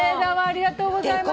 ありがとうございます。